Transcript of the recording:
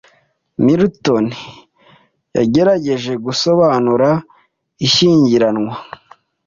Milton yagerageje "gusobanura ishyingiranwa